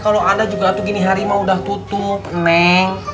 iya kalau ada juga atu gini hari mah udah tutup neng